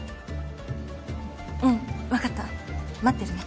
うん分かった待ってるね。